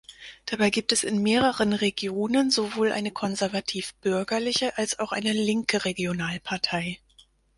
Dabei gibt es in mehreren Regionen sowohl eine konservativ-bürgerliche als auch eine linke Regionalpartei.